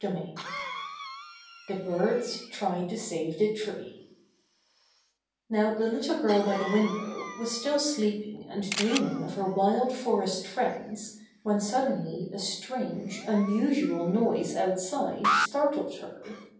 STORY yiii The Birds Try to Save the Tree Now the little girl by the window was still sleeping and dreaming of her wild forest friends when suddenly a strange, unusual noise outside startled her.